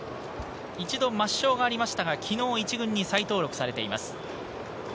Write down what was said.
一度抹消がありまして、昨日１軍に再登録されています。